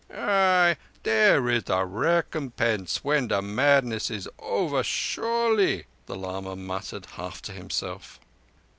'" "Ay, there is a recompense when the madness is over, surely?" the lama muttered half to himself.